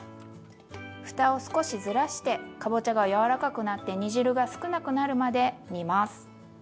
ふたを少しずらしてかぼちゃが柔らかくなって煮汁が少なくなるまで煮ます。